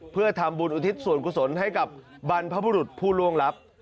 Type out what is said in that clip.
เพื่อทำบุญอุทิศส่วนกุศลให้กับบรรพบุรุษผู้ล่วงลับ